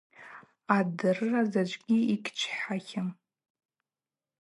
Адырра заджвгьи йгьичвхӏатлам.